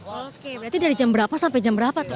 oke berarti dari jam berapa sampai jam berapa tuh